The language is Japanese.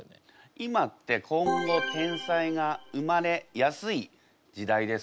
今って今後天才が生まれやすい時代ですか？